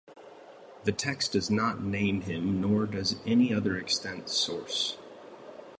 The text does not name him; nor does any other extant source.